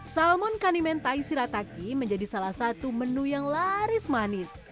salmon kani mentai sirataki menjadi salah satu menu yang laris manis